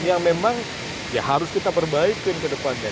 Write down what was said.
yang memang ya harus kita perbaikin ke depannya